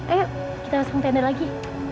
ayo kita masuk ke tenda lagi